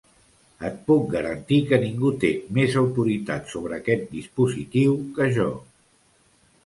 Et puc garantir que ningú té més autoritat sobre aquest dispositiu que jo.